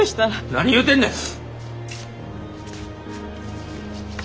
何言うてんねん！